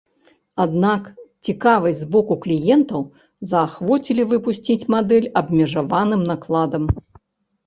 Аднак цікавасць з боку кліентаў заахвоцілі выпусціць мадэль абмежаваным накладам.